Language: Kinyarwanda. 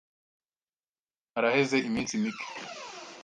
Haraheze iminsi mike.